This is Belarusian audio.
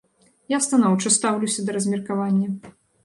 Я станоўча стаўлюся да размеркавання.